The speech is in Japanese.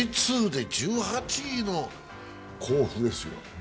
Ｊ２で１８位の甲府ですよ。